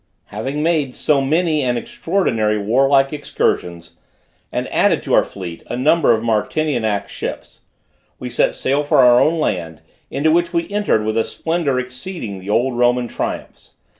Having made so many and extraordinary warlike excursions, and added to our fleet a number of Martinianic ships, we set sail for our own land, into which we entered with a splendor exceeding the old Roman triumphs.